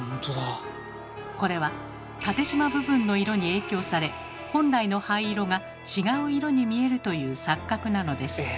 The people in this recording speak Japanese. これは縦じま部分の色に影響され本来の灰色が違う色に見えるという錯覚なのです。